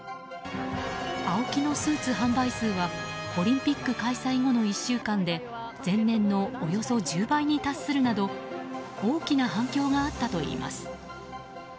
ＡＯＫＩのスーツ販売数はオリンピック開催後の１週間で前年のおよそ１０倍に達するなど大きな反響があったといいます。